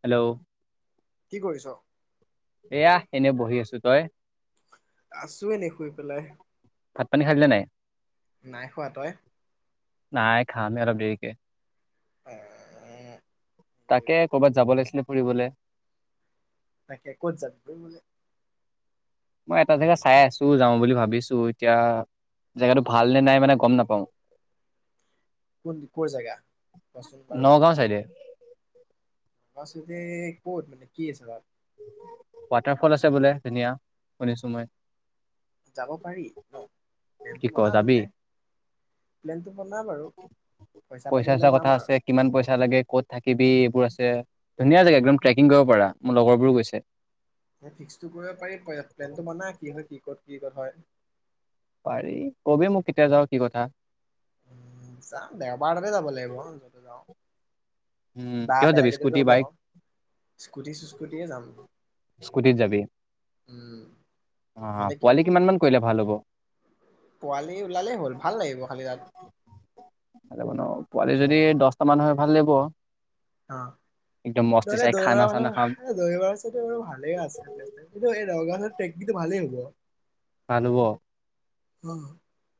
Hello কি কৰিছ? এয়া এনে বহি আছো। তই? আছো এনে শুই পেলাই। ভাত পানী খালিনে নাই? নাই খোৱা। তই? নাই খাম হে অলপ দেৰিকে। অ'। তাকে কৰ'বাত যাব লাগিছিলে ফুৰিবলে। তাকে ক'ত যাবি? মই এটা জেগা চাই আছো যাওঁ বুলি ভাবিছো এতিয়া জেগাটো ভাল নে নাই মানে গম নাপাওঁ। কোন কোৰ জেগা কোৱাচোন বাৰু। নগাঁও চাইডে বছতি কত মানে কি আছে তাত? ৱাটাৰফল আছে বোলে ধুনীয়া শুনিছো মই। যাব পাৰি ন কি প্লেনটো ক বনা যাবি তেনে প্লেনটো বনা বাৰু পইচা পাতি চইচা হ'লে কথা যাম আৰু। আছে কিমান পইচা লাগে ক'ত থাকিবি আছে ধুনীয়া জেগা একদম ট্ৰেকিং কৰিব পৰা মোৰ লগৰ বোৰ গৈছে। ফিক্সটো কৰিব পাৰি প্লেনটো বনা কি হয় কি ক'ত কি কথা হয়? পাৰি কবি মোক কেতিয়া যাওঁ কি কথা। উম যাম দেওবাৰ ততে যাব লাগিব যতে যাওঁ। উম বা কিহত যাবি বেলেগ এড স্কুটি হ'ব বাইক স্কুটি চুস্কুটিয়ে যাম। স্কুটিত যাবি? উম অ' নহ'লে কিয় পোৱালি যাবি কিমান মান কৰিলে ভাল হ'ব? পোৱালি ওলালেই হ'ল ভাল লাগিব খালি তাত পোৱালি ন। যদি দহটা মান হয়। ভাল নে বৰ অ' নহলে দৈ খানা মাৰাহ চানা খাম মানুহ দৈ মাৰক চোন ভালেই আছে কি এই ৰগা ট্ৰেকনিটো ভালেই হ'ব। ভাল হ'ব। মম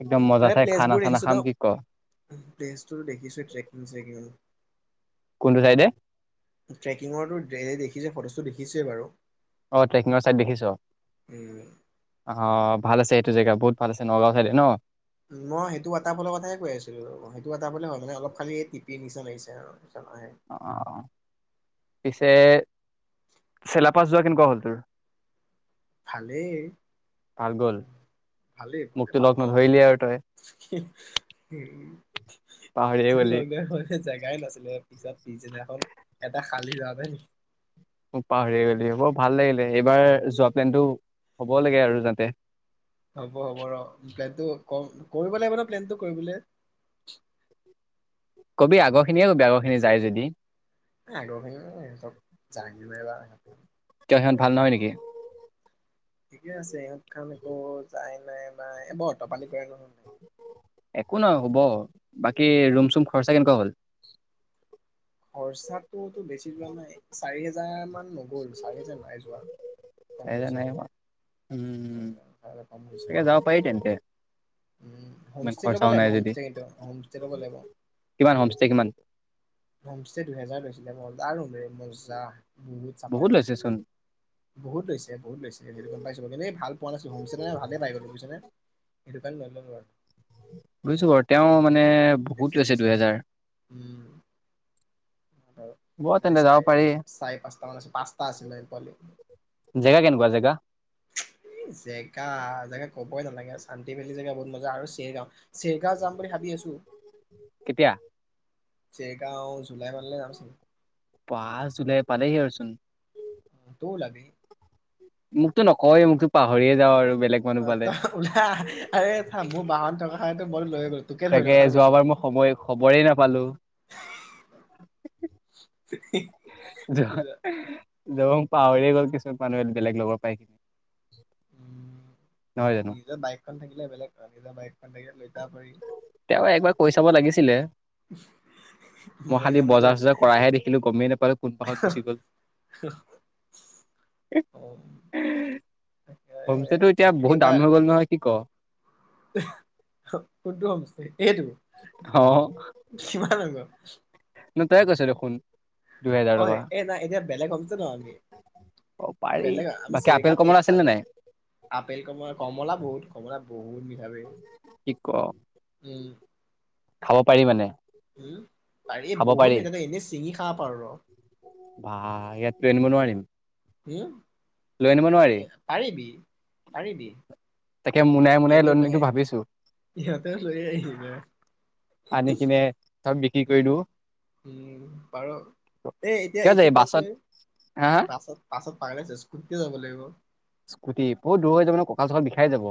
একদম মজা চাই প্লেচ খানা বোৰ চানা দেখিছো খাম তো কি ক প্লেচটো দেখি ছে ট্ৰেকিং চেকিঙৰ কোনটো চাইডে ট্ৰেকিঙৰতো দে দেখিছে ফটো। দেখিছেই বাৰু। অ' ট্ৰেকিঙৰ চাইদ দেখিছ উম আহ। ভাল আছে এইটো জেগা বহুত ভাল আছে, নগাঁও চাইডে ন? মই সেইটো ৱাটাৰফলৰ কথাই কৈ আছিলো, সেইটো ৱাটাৰফলে হয় মানে অলপ খালি এই টিপি নিচিনা আগিছে আৰু। অ' অ' তে, চেলাপাছ যোৱা কেনেকুৱা হ'ল তোৰ। ভালেই, ভাল গ'ল ভালেই বৰ মোকতো লগ ভাল ন? নধৰিলি আৰু তই পাহৰিয়ে গলি লগডাউন হয়, হে জেগাই নাছিলে পিছত পিছদিনাখন। এটা খালী [unintelligible] মোক পাহৰি এ গলি হ'ব ভাল লাগিলে, এইবাৰ যোৱা প্লেনটো হ'ব লাগে আৰু যাতে। হ'ব হ'ব ৰ। প্লেনটো কৰিব লাগিব ন প্লেনটো কৰিবলৈ। কবি আগৰ খিনিয়ে কবি আগৰ খিনি যায় যদি। আগৰখিনি চব [unintelligible] কিয় সিহঁত ভাল নহয় নেকি? ঠিকে আছে ইহঁত। খাম একো যাই নাই। এ বৰ অতপালি কৰে নহয়। একো নহয় হ'ব, বাকী ৰুম চুম খৰচা কেনেকুৱা হ'ল? খৰ্চাতো ৰোমটো বেছি লোৱা নাই চাৰি হে [unintelligible] কম এহেজাৰ গৈছে। নাই হোৱা উমম কম গৈছে এ যাব পাৰি তেন্তে। উম, ইমান হোমষ্টে ল'ব খৰচাও লাগিব নাই যদি হোমষ্টে কিন্তু হোমষ্টে ল'ব লাগিব। কিমান হোমষ্টে কিমান হোমষ্টে দুহেজাৰ লৈছিলে মজা আৰু বে মজা। বহুত চাফা ৰে, লৈছে চোন বহুত লৈছে বহুত লৈছে সেইটো গম পাইছো এনেই ভাল। পোৱা নাছিল হোমষ্টে এনে ভালেই পাই গলো বুইছ নে সেইটো কাৰণে লৈ ললো আৰু। বুজিছো বাৰু তেওঁ মানে, বহুত বেছি লৈছে। দুহেজাৰ উম, বৰ চাৰি তেন্তে যাব পাৰি চাৰি পাঁচটা মান আছিল পাঁচটা আছিলে পোৱালি। জেগা কেনেকুৱা জেগা এই জেগা,, জেগা ক'বই নালাগে আৰু। শান্তি ভেলী জেগা বহুত মজা আৰু চেৰগাঁও, চেৰগাঁও যাম বুলি ভাবি আছো। কেতিয়া? চেৰগাওঁ [unintelligible] জুলাই মানলৈ যাম চাগে। পাঁচ জুলাই পালেহি আৰুচোন। অ' তইও ওলাবি। মোকতো নকয়ে মোকটো পাহৰিয়ে যাওঁ আৰু বেলেগ মানুহ অ' পালে তই ওলাই আ মোৰ বাহন থকা [unintelligible] তোকে ধৰিলো তাকে কথাটো কৈছো। যোৱাবাৰ মই সময় খবৰেই নাপালো [unintelligible] যা য পাহৰি গ'ল কিছু মানুহে বেলেগ লগৰ পাই। নহয় উম জানো নিজৰ বাইকখন থাকিলে বেলেগ আৰু নিজৰ বাইক থাকিলে লৈ যাব পাৰি। তেওঁ একবাৰ কৈ চাব লাগিছিলে। মই খালি যাম যে বজাৰ চজাৰ কৰাহে দেখিলো গমেই নাপালো কোনপাহত গুচি গল। অ তাকে হমষ্টেটো এতিয়া বহুত দাম এইবাৰ হৈ গ'ল নহয়। ক। কোনটো [unintelligible] এইটো? অ কিমান আগৰ? [inaudible] ন তায়েই কৈছে দেখোন। দুহেজাৰ অ' টকা এই নাই এতিয়া বেলেগ হ'মত ন আমি অ পাৰি বেলেগ আমি বাকী আপেল চিৰিকাত কমলা থাকিম আছিল নে চাগে নাই আপেল কমলা কমলা বহুত কমলা বহুত মিঠা! ! ! কি ! ক ! ! ! ! ! ! উম। খাব পাৰি মানে? উম ত এই খাব বহুত পাৰি কেইটা ত‌ই এনেই ছিঙি খাব পাৰ। উম হম? এ পাৰিবি পাৰিবি। তাকে মোনাই মোনাই ইয়াতে লম লৈ নেকি ভাবিছো ইয়াতে লৈ আহিছে আনি কিনে চব বিক্ৰী উ কৰি দিও উম বাৰু এ এতিয়া কিয় এইটো যাবি পা বাছত হা হা পছত পাছত পাৰসৰ স্কুটিতে যাব লাগিব অ'। স্কুটি বহুত দূৰ হৈ যাব ন কঁকাল চকাল বিষাই যাব।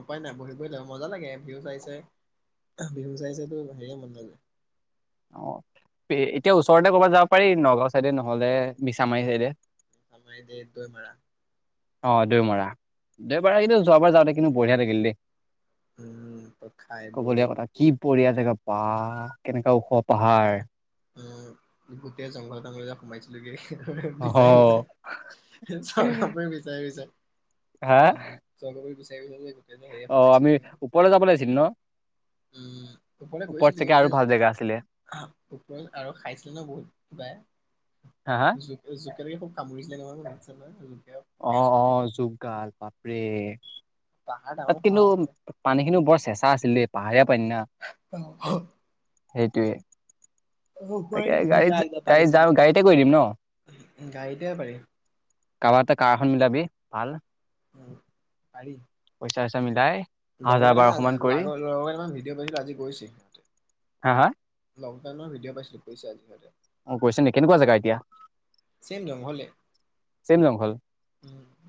উপায় নাই বহি বহি ল মজা লাগে ভিউ চাই চাই ভিউ চাই চাইতো হেৰিয়ে মন নাযায়। অ' এতিয়া ওচৰতে ক'ৰবাত যাব পাৰি নগাঁও চাইদে নহলে মিছামাৰী চাইডে আমাৰ দে দৈমাৰা অ' দৈ মৰা দৈ মৰা কিন্তু যোৱাবাৰ যাওঁতে কিন্তু বঢ়িয়া লাগিল দেই। উম ত খাই বৈ কবলগীয়া কথা কি বঢ়িয়াকে কেনে বাহ কেনেকোৱা ওখ পাহাৰ। উ গোটেই জংঘল তঙল যে সোমাইছিলোগে। অহ বিচাৰি বিচাৰে চৰই বিচাৰি বিচাৰে। হা উম চল [inaudible] সেয়ে অ সোমাইছিলো আমি ওপৰলৈ যাব লাগিছিল ন উম পলে ওপৰত গৈছিলে কি চাগে আৰু গতিয়া ভাল জেগা আছিলে আৰু খাইছিলো বহুত কিবা। হা হা জ জুকে তে খুব কামুৰিছিলে নোহাৰ মনত চাবা জকে অ পোকে অ চোকে জুকগাল বাপৰে পাহাৰ তাত ডাঙৰ কিন্তু পাহাৰ আছিলে পানীখিনিও বৰ চেঁচা আছিল দে পাহাৰীয়াব হ। সেটোৱে। তাকে দিলা গাড়ীত একদম পানী গাড়ীত যাম চানী গাড়ীতে কৰি দিম ন। গাড়ীতে পাৰি কাবাতে কাৰ এখন মিলাবি। পাল। উ পাৰি। চা চা মিলাই। লগৰ হাজাৰ কেইটামা বাৰশ মান কৰি [unintelligible] ভিডিঅ' পাইছিলো আজি গৈছে সিহঁতে। হা হা? লকডানৰ ভিডিঅ পাইছিলো কৈছে আজি কৈছে আজি ইহঁতে। অ কৈছে নেকি কেনেকুৱা জেগা এতিয়া চেম জংঘলে চেম জংঘল উম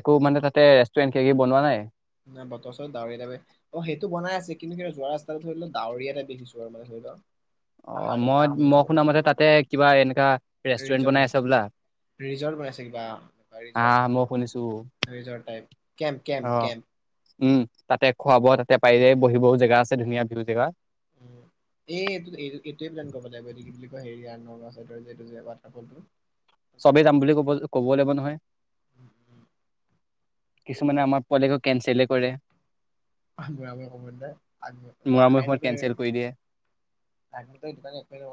একো মানে তাতে ৰেষ্টৰেণ্ট ক কি বনোৱা নাই নাই বতৰ চৰত ডাৱৰ টাইপে অ সেইটো বনাই আছে কিন্তু যোৱা ৰাস্তটো ধৰি লোৱাক ডাৱৰীয়া টাইপ দেখিছো আৰু মে ধৰি লোৱা অহ মই মই শুন মতে তাতে কিবা এনেকা ৰেষ্টুৰেণ্ট ৰিজৰ্ট বনাই আছ বনাইছে বোলা ৰিজৰ্ট বনাইছে কিবা এনেকুৱা ৰিজৰ্ট আহ মই শুনিছো ৰিজৰ্ট টাইপ কেম্প কেম্প অ কেম্প উম তাতে খুৱা বোৱাও তাতে পাই যায় বহিবও জেগা আছে ধুনীয়া বিহু জেগা এই এই এই এইটোৱে প্লেন কৰিব লাগিব কি বুলি কয় হেৰি নগাঁও চাইটৰ যোটাৰ চবেই যাম বুলি ক'ব ক'ব লাগিব নহয় উম, উম, কিছুমানে আমাৰ পোৱালেটো কেনচেলেই কৰে কব আগ আ মূৰামূৰি আশাই সময়ত নকয় কেনচেল কৰি দিয়ে আগ সটো কাৰণে একোৱেই নকৰো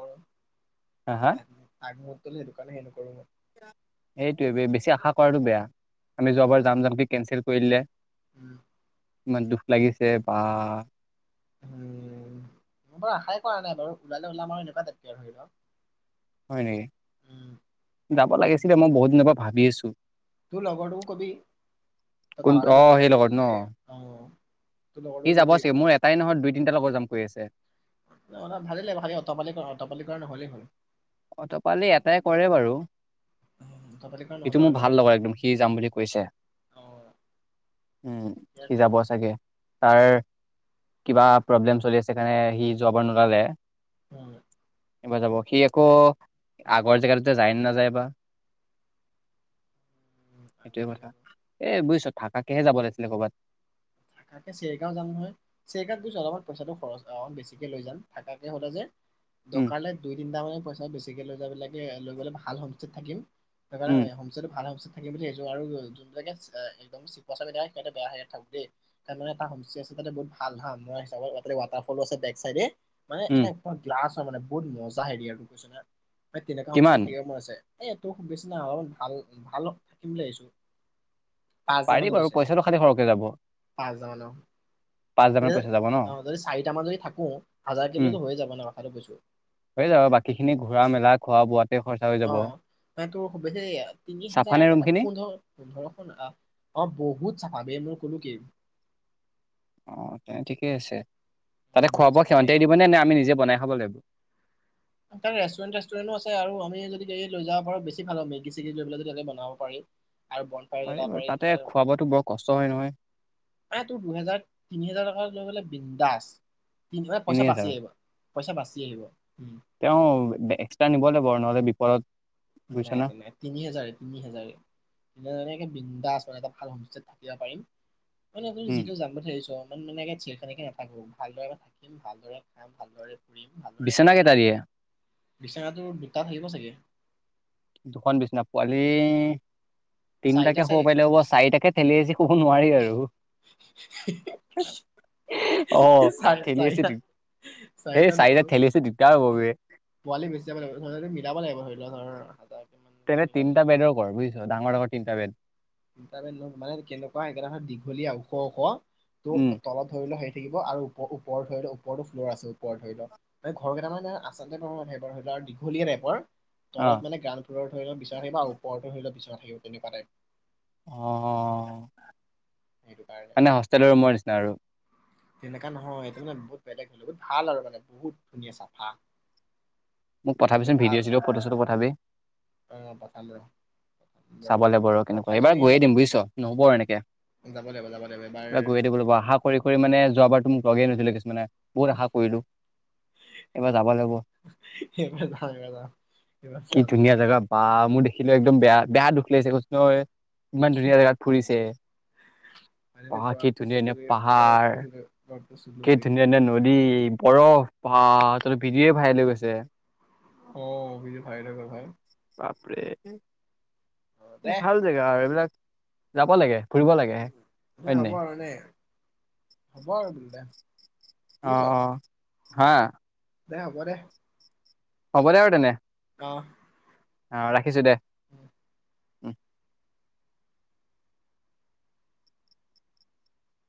হা আ আগ সেইটো কাৰণে একো এইটো বেছি আশা কৰাটো বেয়া আমি যোৱাবাৰ যাম উম যামকে কেনচেল কৰি দিলে উম ইমান দুখ লাগিছে বা উম মই বাৰু আশাই কৰা নাই বাৰু ওলালে ওলাম আৰু এনেকুৱা তাতকৈ আৰু ধৰি লক হয় নেকি যাব লাগিছিলে মই বহুত দিনৰ পৰা ভাবি আছো তোৰ লগৰটোকো কবি তই কোন তালতে অ বহিব সেই পাৰিবি লগত ন এই অ তোৰ সি লগৰটো যাব কবি চাগে মোৰ এটাই নহয় দুই তিনিটা লগৰ যাম কৈ আছে ভালেই লাগে ভালে অটপালি কৰা অঁটপালি কৰা নহলেই হল অটপালি এটাই কৰে বাৰু উম, অতপালি কৰা নহ'লে সিটো মোৰ হ'লে হয় ভাল লগা একদম সি যাম বুলি কৈছে অ', উম ঠিকে আছে সি যাব তেনে চাগে তাৰ কিবা উম, প্ৰব্লেম চলি আছে সেইকাৰণে সি যোৱাবাৰ নুলালে এবাৰ যাব সি আকৌ আগৰ জেগাটোতে যায় নে নাযায় বা উম। আগৰ সেইটোয়ে কথা জেগাটো এ বুজিছ থাকাকেহে যাব লাগিছিলে কৰ'বাত থাকে চেৰগাঁও যাম নহয় চেৰগাঁৱত গৈছ অলপমান পইচাটো খৰচ বেছিকে লৈ যাম থাকাকে হলে যে উম দকালে দুই তিনিটা মান পইচা বেছিকে লৈ যাবে লৈ গলে ভাল হোমস্টে ত থাকিম সেইকাৰণে উম মানে হোমষ্টে টো ভাল হয় পিছে থাকিব বুলি ভাবিছো আৰু যোনবিলাকে একদম চিকাক সিহঁতে বেয়া থাকো দেই তাত মানে এটা হমষ্টে আছে বহুত ভাল হা মই হিচাপত তাতে ৱাটাৰফলো আছে বেক চাইডে মানে উম এটা গ্লাছ মানে বহুত মজা হেৰি আৰুটো কৈছ না এই তেনেকুৱা কিমান সমেষ্টেদ থাকিব মন আছে এই তোৰ খুব বেছি নাই অলপমান ভাল ভাল থাকিম বুলি ভাবিছো পাৰি বাৰু পইচাটো খালী সৰহকে যাব পাঁচ হাজাৰ মান পাঁচ হাজাৰ মান তেতিয়া পইচা যাব ন অ' যদি চাৰিটা যদি থাকো হাজাৰকে লৈ উম হৈ যাব ন কথাটো কৈছোঁ। হৈ যাব বাকী খিনি ঘূৰা মেলা খোৱা বোৱাত অ ম তোৰ সু তিনি চাফা নে হাজাৰ ৰুমখিনি পোন্ধৰ পোন্ধৰখন আহ অ বহুত চাফাৱেই মোৰ কলো কি অ তেনে ঠিকেই আছে উম, তাতে খোৱা বহুত বোৱা চাফাৰে সিহতিয়ে দিব নে আমি নিজে বনাই খাব লাগিব তাৰ ৰেষ্টুৰেণ্ট তেষ্টুৰেণ্টো আছে আৰু আমি যদি লৈ যাব পাৰো বেছি ভাল হে মেগি চেগি লৈ পেলাই যদি তাতে বনাব পাৰি আৰু বন পাৰি যোগাৰ বাৰু চাই তাতে খোৱা বোৱাটো বৰ কষ্ট হয় নহয় কৰি তোৰ দুহেজাৰ তিনি হেজাৰ টকা এটা লৈ গ'লে বিন্দাস তিনিওটা তিনি পইচা বাচি হেজাৰত আহিব পইচা বাচি আহিব উম তেওঁ এক্সটা নিব লাগিব নহলে বিপদ আছে নাই যে নাই তিনি হাজাৰ তিনি হাজাৰ বিন্দাস মানে এটা ভাল মাহত থাকিব পাৰিম মানে আপুনি উম যিটো যাবত হে আহিছো আও ইমান মান খিনিহ [unintelligible] খাননেকে নাথাকো ভালদৰে থাকিম ভালদৰে খাম ভালদৰে ফুৰিম ভালদৰে বিচনা আহিম মে কেইটা দিয়ে বিচৰাটো দুটাত থাকিব চাগে দুখন বিছনা পোৱালি চাৰিটা তিনিটাকে চাগে শুব পাৰিলে হ'ব চাৰিটাকে ঠেলি হেঁচি শুব নোৱাৰি আৰু অ চাৰ ঠেলি আছ চাৰিটা এই চাৰিটা নহয় চাৰিটাক ঠেলি আছে দিগদাৰ হ'ব বে পোৱালি বেছি যাব লাগিব ধৰি লোৱা তুমি [unintelligible] তেনে মিলাব তিনিটা বেদৰ কৰ বুজিছ ডাঙৰ লগত তিনটা বেদ মানে কেনেকুৱা একেটাৰ দীঘলীয়া ওখ ওখ উম ত তলত ধৰি লোৱা সেই থাকিব আৰু অৰ ওপৰ ধৰি লও ওপৰতো ফ্ল' আছে ওপৰ ধৰি লও ঘৰেই মানে আচলতেই ধৰি ল দীঘলীয়া টাইপৰ অ তলত মানে গ্ৰাউণ্ডৰ ফ্লৰও ধৰি ল বিচনা থাকিব ওৰতো ধৰি লও বিচনা অ তেনেকুৱা টাইপৰ অ' অ'। সেইটো কাৰণে মানে হোষ্টেলৰ ৰুমৰ নিচিনা আৰু। তেনেকা নহয় সেটো মানে বহুত বেলেগ হয় বহুত ভাল আৰু মানে বহুত ধুনীয়া চাফা। মোক মানে পঠাবিচোন ভাল ভিডিঅ' চিডিঅ' ফটো চটো পঠাবি। অ' পঠালো চাব এইটো যাব লাগিব কেনেকুৱা পঠাইছো এইবাৰ নেকি গৈয়ে আগতে, দিম বুজিছ নহব আৰু এনেকে যাব লাগিব যাব লাগিব এবাৰ এইবাৰ গৈয়ে দিব লাগিব আশা কৰি কৰি। মানে যোৱা বাৰ তো মোক কোৱাই নাছিলে কিছুমানে। বহুত আশা কৰিলো, এবাৰ যাব লাগিব, এইবাৰ যাম এইবাৰ যাম এইবাৰ কি যাম ধুনীয়া জেগা বা মোৰ দেখিলো একদম বেয়া বেয়া দুখ লাগিছে কৈছো নহয়। ইমান ধুনীয়া জেগাত ফুৰিছে। আনে পাহাৰ কি বৰক ধুনীয়া চল ধুনীয়া পাহাৰ বৰ চ কি ধুনীয়া ধুনীয়া নদী। বৰফ বা তাত ভিডিঅ ভাইৰেল হৈ গৈছে। অ' ভিডিঅ' ভাইৰেল হৈ গ'ল হয়। বাপৰে। অ দে ভাল জেগা আৰু এইবিলাক। যাব লাগে। ফুৰিব লাগে হয় এনে নে হ'ব নাই আৰু এনেই হ'ব আৰু বোলো দে। শুনিছ অ' অ'। হা? দে হব দে। হ'ব দে আৰু তেনে। অ'। অ' ৰাখিছো দে। উম।